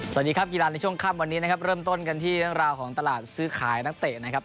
สวัสดีครับกีฬาในช่วงค่ำวันนี้นะครับเริ่มต้นกันที่เรื่องราวของตลาดซื้อขายนักเตะนะครับ